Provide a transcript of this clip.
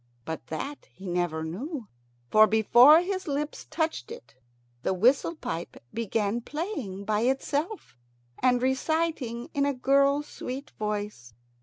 But that he never knew, for before his lips touched it the whistle pipe began playing by itself and reciting in a girl's sweet voice.